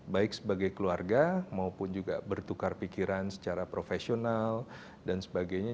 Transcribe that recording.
baik sebagai keluarga maupun juga bertukar pikiran secara profesional dan sebagainya